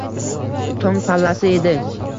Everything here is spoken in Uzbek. Tong pallasi edi